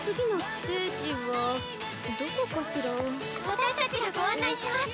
私たちがご案内します！